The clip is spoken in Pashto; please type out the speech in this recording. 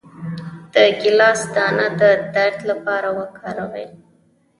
د ګیلاس دانه د درد لپاره وکاروئ